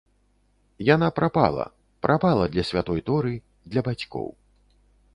Яна прапала, прапала для святой торы, для бацькоў.